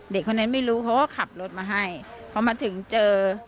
เด็กคนนั้นไม่รู้เขาก็ขับรถมาให้พอมาถึงเจอ